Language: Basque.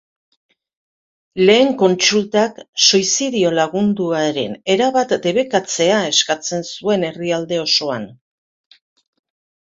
Lehen kontsultak suizidio lagunduaren erabat debekatzea eskatzen zuen herrialde osoan.